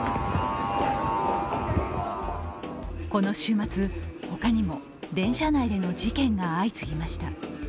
この週末、他にも電車内での事件が相次ぎました。